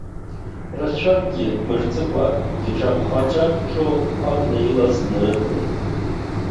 Рацәакгьы мырҵыкәа дҿаԥхаҿаччо абна илаз днарыдгылеит.